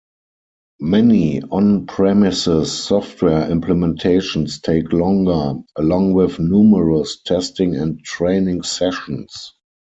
Many on-premises software implementations take longer - along with numerous testing and training sessions.